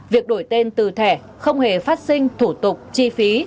việc đổi tên từ thẻ không hề phát sinh thủ tục chi phí